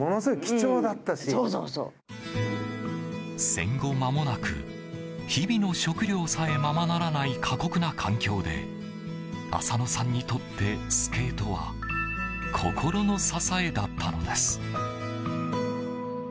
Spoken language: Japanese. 戦後まもなく、日々の食糧さえままならない過酷な環境で浅野さんにとってスケートは心の支えだったのです。